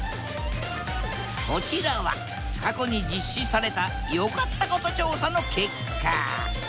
こちらは過去に実施された良かったこと調査の結果。